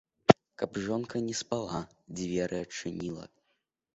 Каб жонка не спала, дзверы адчыніла.